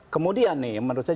kemudian nih menurut saya